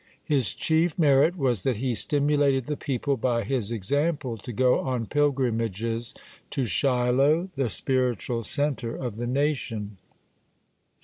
(3) His chief merit was that he stimulated the people by his example to go on pilgrimages to Shiloh, the spiritual centre of the nation.